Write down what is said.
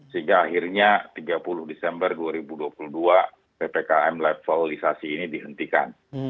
sehingga akhirnya tiga puluh desember dua ribu dua puluh dua ppkm levelisasi ini dihentikan